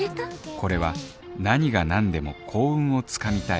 これは何が何でも幸運を掴みたい。